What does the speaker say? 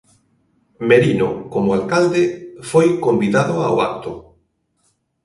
Merino, como alcalde, foi convidado ao acto.